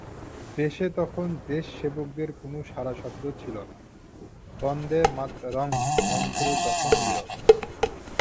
দেশে তখন দেশসেবকদের কোনো সাড়াশব্দ ছিল না, বন্দেমাতরং মন্ত্র তখন নীরব।